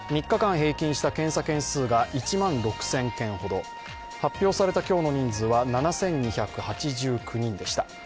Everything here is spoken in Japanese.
３日間平均した検査件数が１万６０００件ほど、発表された今日の人数は７２８９人でした。